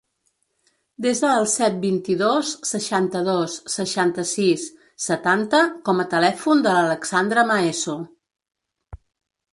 Desa el set, vint-i-dos, seixanta-dos, seixanta-sis, setanta com a telèfon de l'Alexandra Maeso.